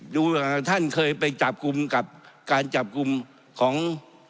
ท่านเคยไปจับกลุ่มกับการจับกลุ่มของ